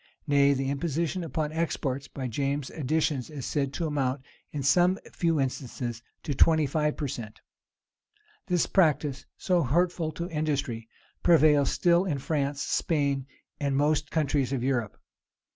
Nay, the imposition upon exports, by James's additions, is said to amount, in some few instances, to twenty five per cent This practice, so hurtful to industry, prevails still in France, Spain, and most countries of Europe.